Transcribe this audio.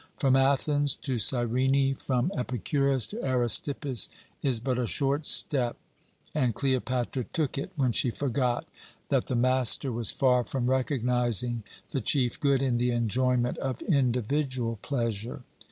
From Athens to Cyrene, from Epicurus to Aristippus, is but a short step, and Cleopatra took it when she forgot that the master was far from recognizing the chief good in the enjoyment of individual pleasure.